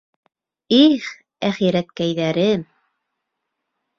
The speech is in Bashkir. Их, әхирәткәйҙәрем!